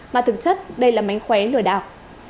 mà thực chất đây là mánh khóe lừa đạo